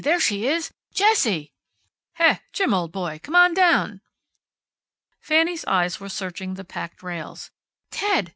There she is! Jessie!" "Heh! Jim, old boy! Come on down!" Fanny's eyes were searching the packed rails. "Ted!"